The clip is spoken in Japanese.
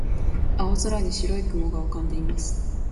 青空に白い雲が浮かんでいます。